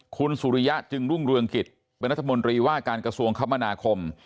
คุณสุริยะจึงรุ่งเรืองกิจเป็นรัฐมนตรีว่าการกระทรวงคมนาคม